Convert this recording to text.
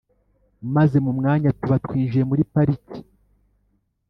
maze mu mwanya tuba twinjiye muri pariki